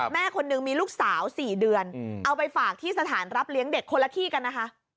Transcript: แม่คนหนึ่งมีลูกสาว๔เดือนเอาไปฝากที่สถานรับเลี้ยงเด็กคนละที่กันนะคะ